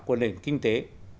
của nền kinh tế